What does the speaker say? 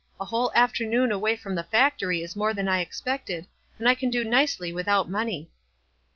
A whole afternoon away from the factory is more than I expected, and I can do nicely without money."